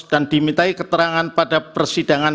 dan dimintai keterangan pada persidangan